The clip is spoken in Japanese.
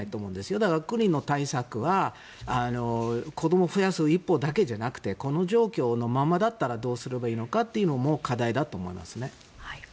だから国の対策は子どもを増やす一方だけじゃなくてこの状況のままだったらどうすればいいのかというのも課題だと思いますね。